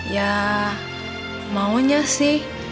ya maunya sih